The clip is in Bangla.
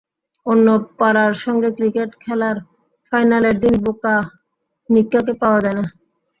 অন্য পাড়ার সঙ্গে ক্রিকেট খেলার ফাইনালের দিন বোকা নিক্কাকে পাওয়া যায় না।